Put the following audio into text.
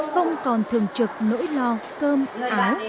không còn thường trực nỗi lo cơm áo